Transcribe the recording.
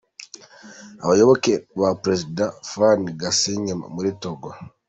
Abayoboke ba perezida, Faure Gnassingbé muri Togo.